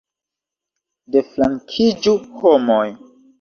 Deflankiĝu, homoj!